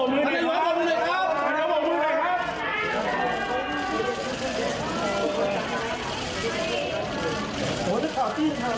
นี่แหละ